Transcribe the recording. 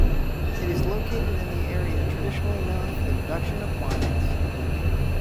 It is located in an area traditionally known for the production of wines.